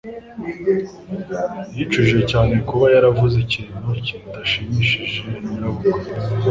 Yicujije cyane kuba yaravuze ikintu kidashimishije nyirabukwe.